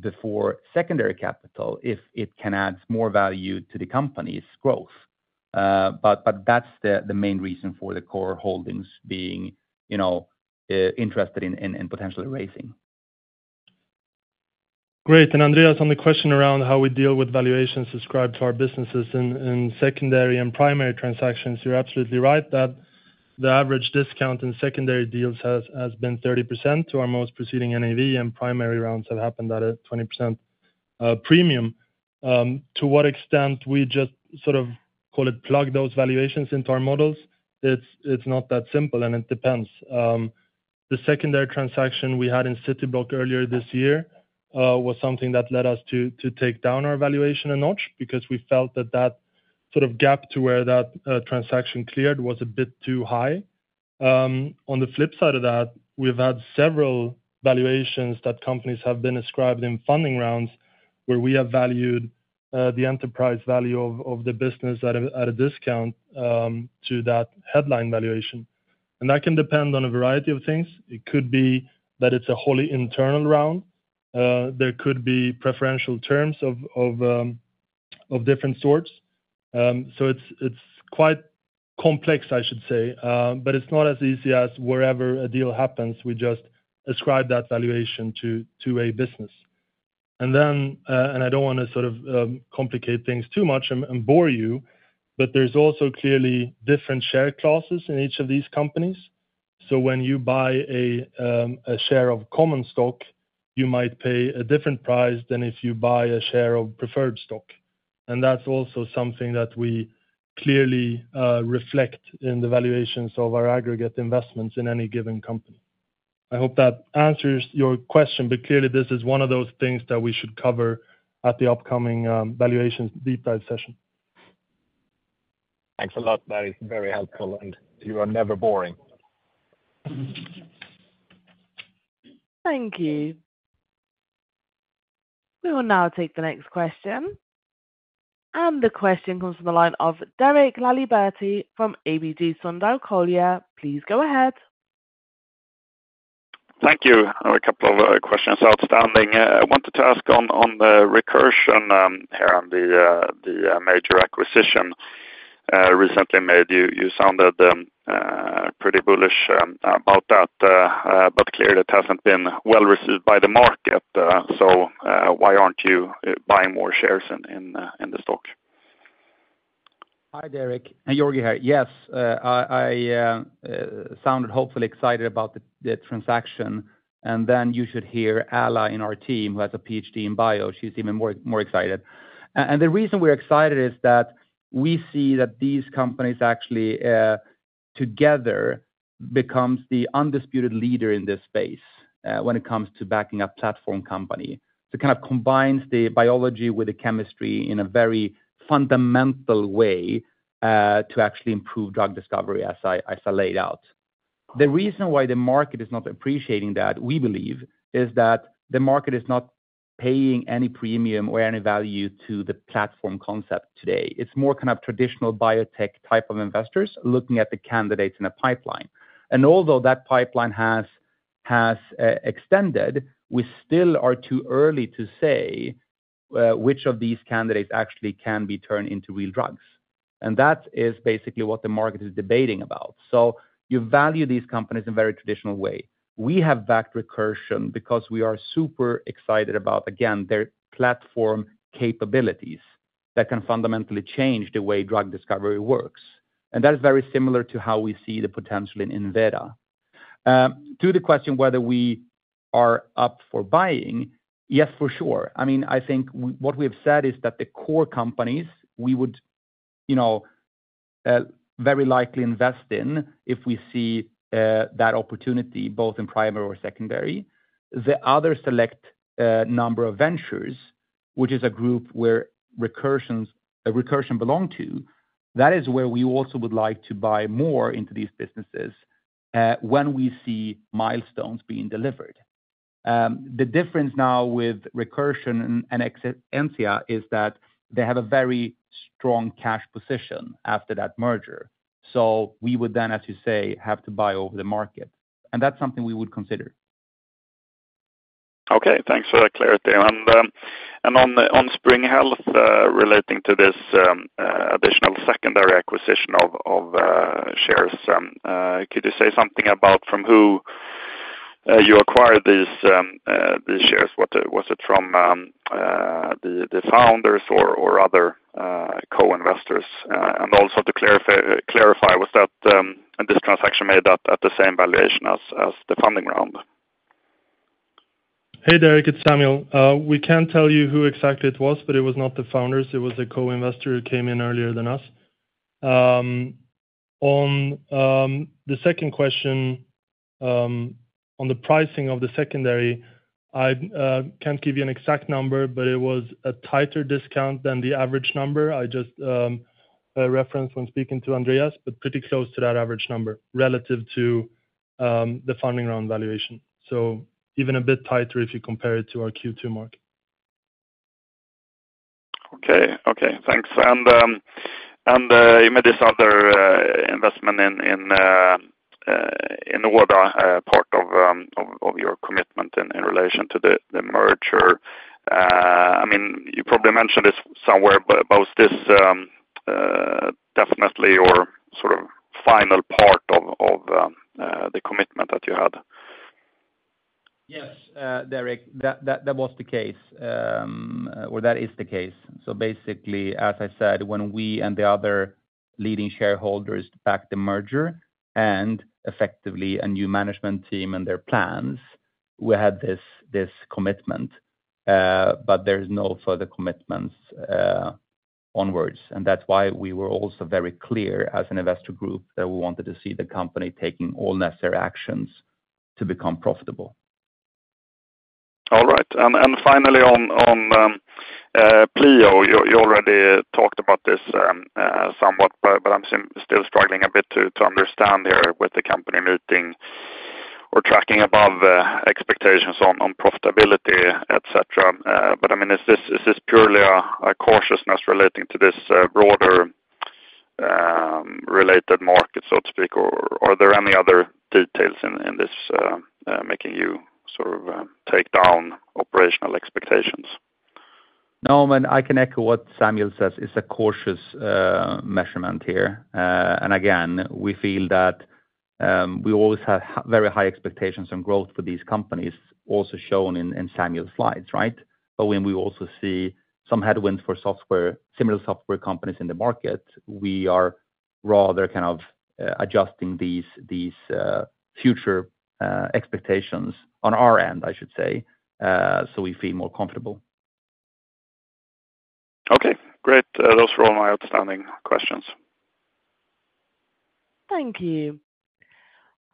before secondary capital, if it can add more value to the company's growth. But that's the main reason for the core holdings being, you know, interested in potentially raising. Great. And Andreas, on the question around how we deal with valuations ascribed to our businesses in secondary and primary transactions, you're absolutely right that the average discount in secondary deals has been 30% to our most preceding NAV, and primary rounds have happened at a 20% premium. To what extent we just sort of, call it, plug those valuations into our models, it's not that simple, and it depends. The secondary transaction we had in Cityblock earlier this year was something that led us to take down our valuation a notch, because we felt that that sort of gap to where that transaction cleared was a bit too high. On the flip side of that, we've had several valuations that companies have been ascribed in funding rounds, where we have valued the enterprise value of the business at a discount to that headline valuation. And that can depend on a variety of things. It could be that it's a wholly internal round. There could be preferential terms of different sorts. So it's quite complex, I should say. But it's not as easy as wherever a deal happens, we just ascribe that valuation to a business. And then, and I don't wanna sort of complicate things too much and bore you, but there's also clearly different share classes in each of these companies. So when you buy a share of common stock, you might pay a different price than if you buy a share of preferred stock. And that's also something that we clearly reflect in the valuations of our aggregate investments in any given company. I hope that answers your question, but clearly, this is one of those things that we should cover at the upcoming Valuations Deep Dive session. Thanks a lot. That is very helpful, and you are never boring. Thank you. We will now take the next question, and the question comes from the line of Derek Laliberté from ABG Sundal Collier. Please go ahead. Thank you. I have a couple of questions outstanding. I wanted to ask on the Recursion here on the major acquisition recently made. You sounded pretty bullish about that, but clearly, that hasn't been well received by the market. So, why aren't you buying more shares in the stock? Hi, Derek. Georgi here. Yes, I sounded hopefully excited about the transaction, and then you should hear Ala in our team, who has a PhD in bio. She's even more excited. The reason we're excited is that we see that these companies actually together become the undisputed leader in this space when it comes to backing a platform company. To kind of combine the biology with the chemistry in a very fundamental way to actually improve drug discovery, as I laid out. The reason why the market is not appreciating that, we believe, is that the market is not paying any premium or any value to the platform concept today. It's more kind of traditional biotech type of investors looking at the candidates in a pipeline. Although that pipeline has extended, we still are too early to say which of these candidates actually can be turned into real drugs. That is basically what the market is debating about. You value these companies in a very traditional way. We have backed Recursion because we are super excited about, again, their platform capabilities that can fundamentally change the way drug discovery works. That is very similar to how we see the potential in Enveda. To the question whether we are up for buying? Yes, for sure. I mean, I think what we have said is that the core companies, we would, you know, very likely invest in if we see that opportunity, both in primary or secondary. The other select number of ventures, which is a group where Recursion belong to, that is where we also would like to buy more into these businesses, when we see milestones being delivered. The difference now with Recursion and Exscientia is that they have a very strong cash position after that merger. So we would then, as you say, have to buy over the market, and that's something we would consider. Okay, thanks for that clarity. And on Spring Health, relating to this additional secondary acquisition of shares, could you say something about from who you acquired these shares? What was it from the founders or other co-investors? And also to clarify, was that this transaction made at the same valuation as the funding round? Hey, Derek, it's Samuel. We can't tell you who exactly it was, but it was not the founders. It was a co-investor who came in earlier than us. On the second question, on the pricing of the secondary, I can't give you an exact number, but it was a tighter discount than the average number. I just a reference when speaking to Andreas, but pretty close to that average number relative to the funding round valuation, so even a bit tighter if you compare it to our Q2 market. Okay. Okay, thanks. And you made this other investment in Oda, part of your commitment in relation to the merger. I mean, you probably mentioned this somewhere, but was this definitely or sort of final part of the commitment that you had? Yes, Derek, that was the case, or that is the case. So basically, as I said, when we and the other leading shareholders backed the merger, and effectively a new management team and their plans, we had this commitment, but there's no further commitments onwards, and that's why we were also very clear as an investor group, that we wanted to see the company taking all necessary actions to become profitable. All right. And finally on Pleo, you already talked about this somewhat, but I'm still struggling a bit to understand here with the company beating or tracking above expectations on profitability, et cetera. But I mean, is this purely a cautiousness relating to this broader related market, so to speak? Or are there any other details in this making you sort of take down operational expectations? No, I mean, I can echo what Samuel says. It's a cautious measurement here. And again, we feel that we always have very high expectations on growth for these companies, also shown in Samuel's slides, right? But when we also see some headwinds for software, similar software companies in the market, we are rather kind of adjusting these future expectations on our end, I should say, so we feel more comfortable. Okay, great. Those were all my outstanding questions. Thank you.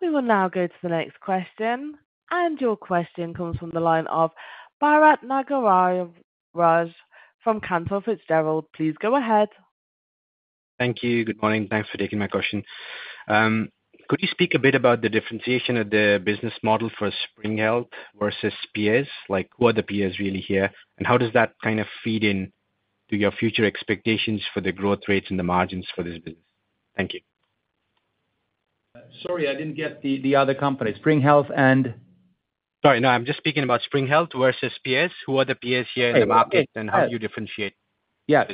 We will now go to the next question, and your question comes from the line of Bharath Nagaraj from Cantor Fitzgerald. Please go ahead. Thank you. Good morning, thanks for taking my question. Could you speak a bit about the differentiation of the business model for Spring Health versus peers? Like, who are the peers really here, and how does that kind of feed in to your future expectations for the growth rates and the margins for this business? Thank you. Sorry, I didn't get the other company. Spring Health and? Sorry, no, I'm just speaking about Spring Health versus peers. Who are the peers here in the market, and how do you differentiate? Yeah.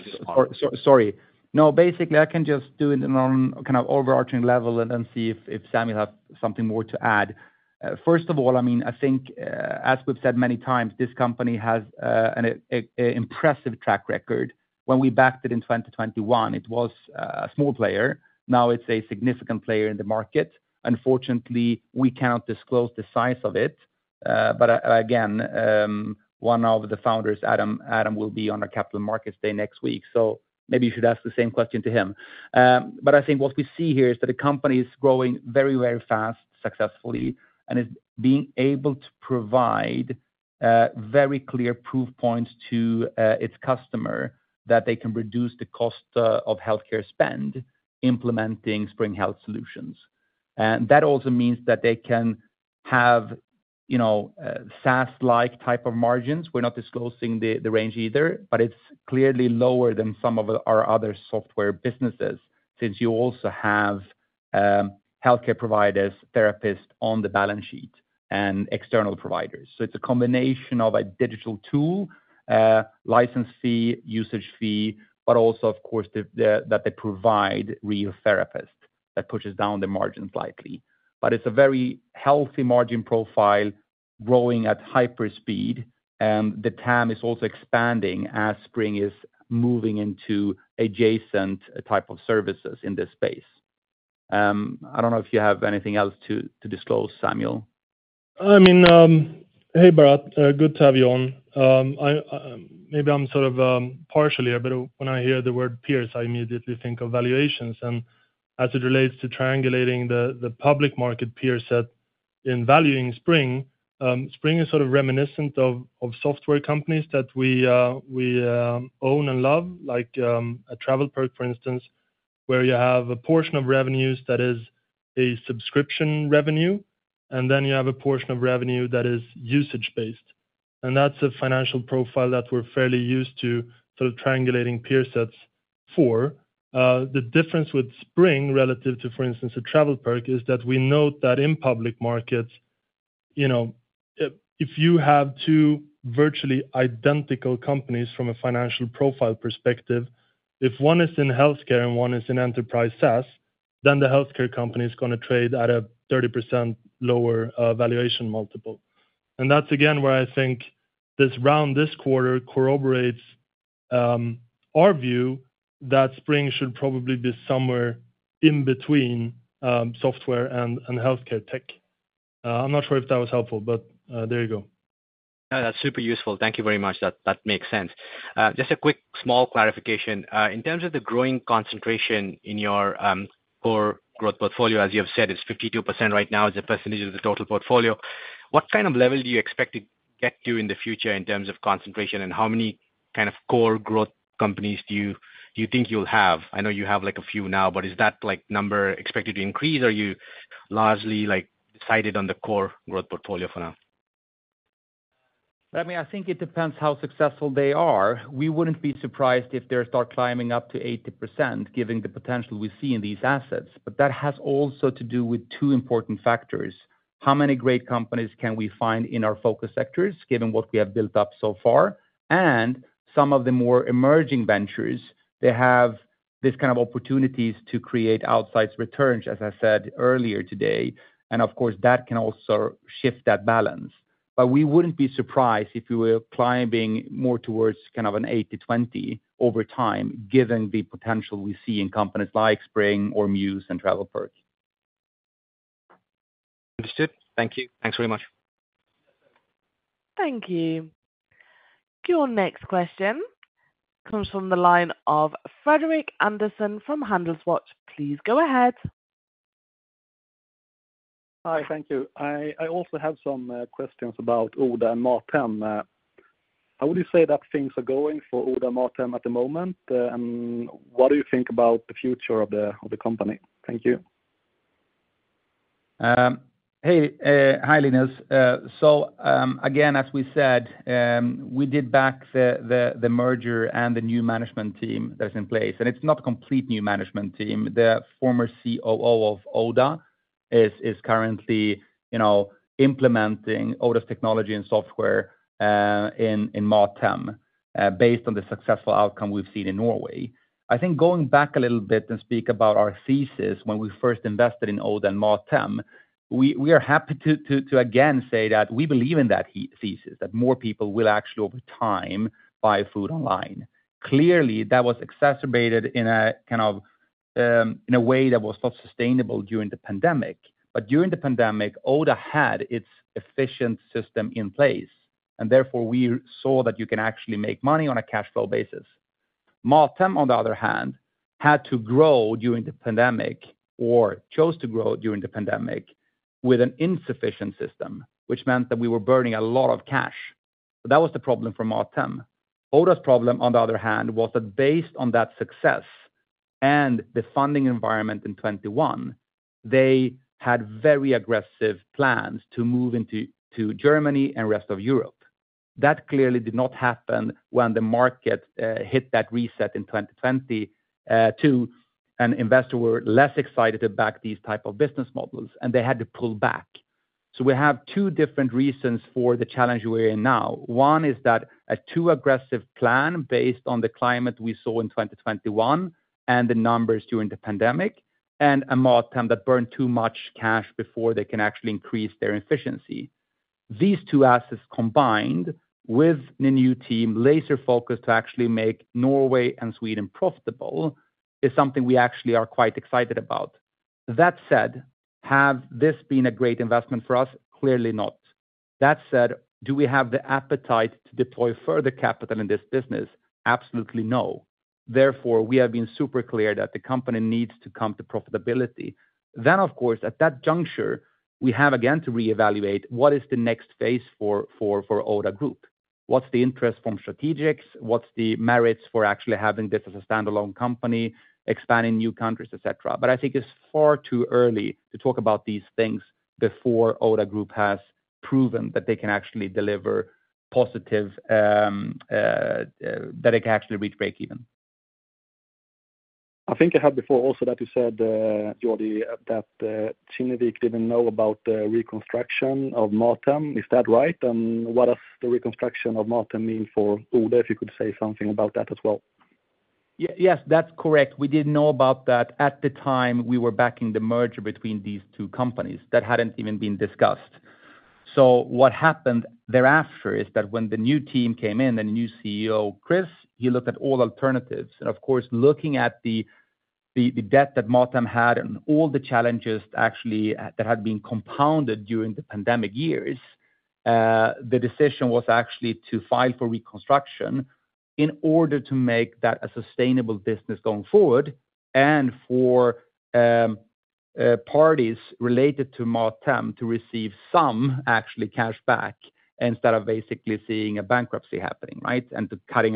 No, basically, I can just do it on kind of overarching level and then see if Samuel have something more to add. First of all, I mean, I think, as we've said many times, this company has an impressive track record. When we backed it in 2021, it was a small player. Now it's a significant player in the market. Unfortunately, we cannot disclose the size of it, but again, one of the founders, Adam, will be on a Capital Markets Day next week, so maybe you should ask the same question to him. But I think what we see here is that the company is growing very, very fast, successfully, and is being able to provide very clear proof points to its customer that they can reduce the cost of healthcare spend implementing Spring Health solutions. And that also means that they can have, you know, SaaS-like type of margins. We're not disclosing the range either, but it's clearly lower than some of our other software businesses, since you also have healthcare providers, therapists on the balance sheet and external providers. So it's a combination of a digital tool license fee, usage fee, but also, of course, that they provide real therapists. That pushes down the margins likely. But it's a very healthy margin profile, growing at hyper speed, and the TAM is also expanding as Spring is moving into adjacent type of services in this space. I don't know if you have anything else to disclose, Samuel. I mean, Hey, Bharath, good to have you on. Maybe I'm sort of partial here, but when I hear the word peers, I immediately think of valuations. And as it relates to triangulating the public market peer set in valuing Spring, Spring is sort of reminiscent of software companies that we own and love, like a TravelPerk, for instance, where you have a portion of revenues that is a subscription revenue, and then you have a portion of revenue that is usage-based. And that's a financial profile that we're fairly used to, sort of triangulating peer sets for. The difference with Spring, relative to, for instance, a TravelPerk, is that we note that in public markets, you know, if you have two virtually identical companies from a financial profile perspective, if one is in healthcare and one is in enterprise SaaS, then the healthcare company is gonna trade at a 30% lower, valuation multiple. This round this quarter corroborates our view that Spring should probably be somewhere in between, software and, and healthcare tech. I'm not sure if that was helpful, but, there you go. No, that's super useful. Thank you very much. That, that makes sense. Just a quick, small clarification. In terms of the growing concentration in your core growth portfolio, as you have said, it's 52% right now, as a percentage of the total portfolio. What kind of level do you expect to get to in the future in terms of concentration, and how many kind of core growth companies do you think you'll have? I know you have, like, a few now, but is that, like, number expected to increase, or are you largely, like, decided on the core growth portfolio for now? I mean, I think it depends how successful they are. We wouldn't be surprised if they start climbing up to 80%, given the potential we see in these assets, but that has also to do with two important factors: How many great companies can we find in our focus sectors, given what we have built up so far? And some of the more emerging ventures, they have these kind of opportunities to create outsized returns, as I said earlier today, and of course, that can also shift that balance. But we wouldn't be surprised if we were climbing more towards kind of an 80/20 over time, given the potential we see in companies like Spring or Mews and TravelPerk. Understood. Thank you. Thanks very much. Thank you. Your next question comes from the line of Fredrik Andersson from Handelsbanken. Please go ahead. Hi, thank you. I also have some questions about Oda and Mathem. How would you say that things are going for Oda and Mathem at the moment, what do you think about the future of the company? Thank you. Hey, hi, Fredrik. So, again, as we said, we did back the merger and the new management team that's in place, and it's not complete new management team. The former COO of Oda is currently, you know, implementing Oda's technology and software in Mathem, based on the successful outcome we've seen in Norway. I think going back a little bit and speak about our thesis, when we first invested in Oda and Mathem, we are happy to again say that we believe in that thesis, that more people will actually, over time, buy food online. Clearly, that was exacerbated in a kind of way that was not sustainable during the pandemic. But during the pandemic, Oda had its efficient system in place, and therefore, we saw that you can actually make money on a cash flow basis. Mathem, on the other hand, had to grow during the pandemic or chose to grow during the pandemic with an insufficient system, which meant that we were burning a lot of cash. So that was the problem for Mathem. Oda's problem, on the other hand, was that based on that success and the funding environment in 2021, they had very aggressive plans to move into, to Germany and rest of Europe. That clearly did not happen when the market hit that reset in 2022, and investors were less excited to back these type of business models, and they had to pull back. So we have two different reasons for the challenge we're in now. One is that a too aggressive plan, based on the climate we saw in 2021 and the numbers during the pandemic, and a Mathem that burned too much cash before they can actually increase their efficiency. These two assets, combined with the new team, laser-focused to actually make Norway and Sweden profitable, is something we actually are quite excited about. That said, have this been a great investment for us? Clearly not. That said, do we have the appetite to deploy further capital in this business? Absolutely no. Therefore, we have been super clear that the company needs to come to profitability. Of course, at that juncture, we have again to reevaluate what is the next phase for Oda Group. What's the interest from strategics? What's the merits for actually having this as a standalone company, expanding new countries, et cetera? But I think it's far too early to talk about these things before Oda Group has proven that they can actually deliver positive, that it can actually reach breakeven. I think I heard before also, that you said, Georgi, that Kinnevik didn't know about the reconstruction of Mathem. Is that right, and what does the reconstruction of Mathem mean for Oda, if you could say something about that as well? Yes, that's correct. We didn't know about that at the time we were backing the merger between these two companies. That hadn't even been discussed. So what happened thereafter is that when the new team came in, the new CEO, Chris, he looked at all alternatives. And of course, looking at the debt that Mathem had and all the challenges actually that had been compounded during the pandemic years, the decision was actually to file for reconstruction in order to make that a sustainable business going forward. And for parties related to Mathem to receive some actually cash back instead of basically seeing a bankruptcy happening, right? And to cutting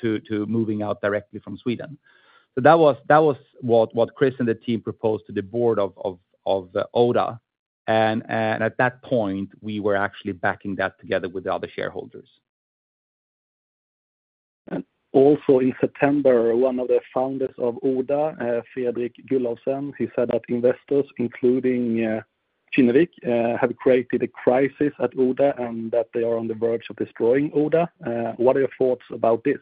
to moving out directly from Sweden. So that was what Chris and the team proposed to the board of Oda. At that point, we were actually backing that together with the other shareholders. Also, in September, one of the founders of Oda, Fredrik Gyllensten, he said that investors, including Kinnevik, have created a crisis at Oda, and that they are on the verge of destroying Oda. What are your thoughts about this?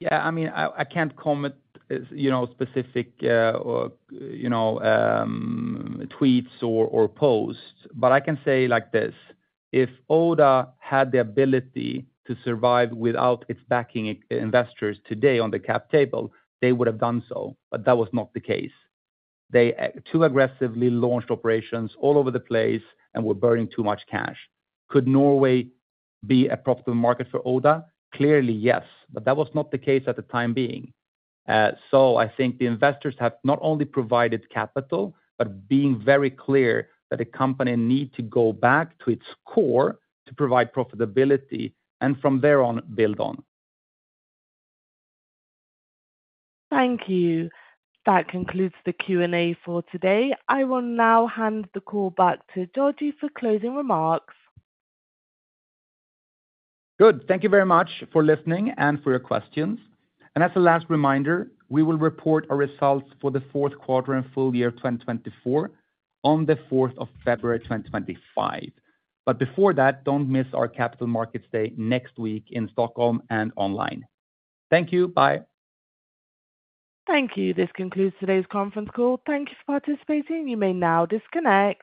Yeah, I mean, I can't comment on specific tweets or posts, but I can say like this, If Oda had the ability to survive without its backing investors today on the cap table, they would have done so, but that was not the case. They too aggressively launched operations all over the place and were burning too much cash. Could Norway be a profitable market for Oda? Clearly, yes, but that was not the case at the time being. So I think the investors have not only provided capital, but being very clear that the company need to go back to its core to provide profitability, and from there on, build on. Thank you. That concludes the Q&A for today. I will now hand the call back to Georgi for closing remarks. Good. Thank you very much for listening and for your questions. And as a last reminder, we will report our results for the fourth quarter and full year 2024 on the 4th of February, 2025. But before that, don't miss our Capital Markets Day next week in Stockholm and online. Thank you. Bye. Thank you. This concludes today's conference call. Thank you for participating. You may now disconnect.